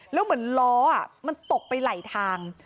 แล้วเหมือนล้อมันตกไปไหลทาง